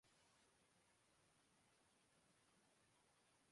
بلکہ روزافزوں ہے